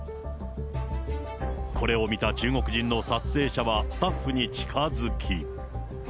これを見た中国人の撮影者は、スタッフに近づき。